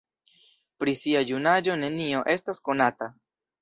Pri sia junaĝo nenio estas konata.